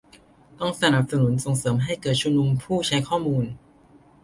ต้องสนับสนุนส่งเสริมให้เกิดชุมชนผู้ใช้ข้อมูล